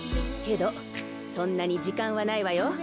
けどそんなに時間はないわよ。